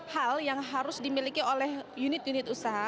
hal yang harus dimiliki oleh unit unit usaha